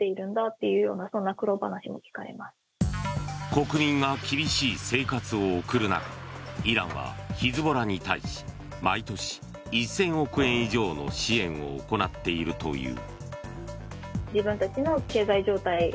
国民が厳しい生活を送る中イランはヒズボラに対し毎年１０００億円以上の支援を行っているという。